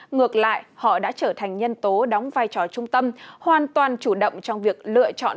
ngược lại họ đã trở thành nhân tố đóng vai trò trung tâm hoàn toàn chủ động trong việc lựa chọn